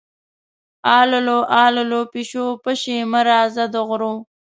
اللو للو، پیشو-پیشو مه راځه د غرو